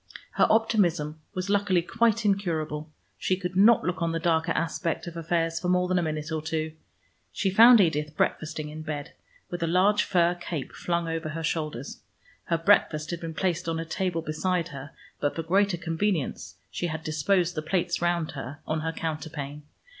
Her optimism was luckily quite incurable: she could not look on the darker aspect of affairs for more than a minute or two. She found Edith breakfasting in bed, with a large fur cape flung over her shoulders. Her breakfast had been placed on a table beside her, but for greater convenience she had disposed the plates round her, on her counterpane.